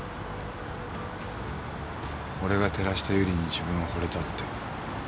俺が照らした由理に自分はほれたって。